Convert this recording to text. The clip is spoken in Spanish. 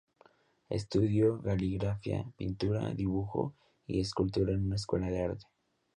Estudió caligrafía, pintura, dibujo y escultura en una escuela de arte.